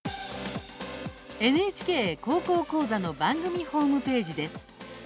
「ＮＨＫ高校講座」の番組ホームページです。